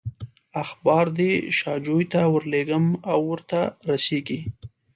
اخبار دې شاجوي ته ورولېږم او ورته رسېږي.